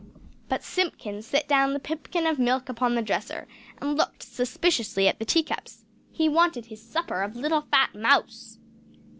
But Simpkin set down the pipkin of milk upon the dresser, and looked suspiciously at the tea cups. He wanted his supper of little fat mouse!